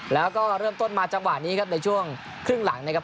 แล้วก็เริ่มต้นมาจังหวะนี้ครับในช่วงครึ่งหลังนะครับ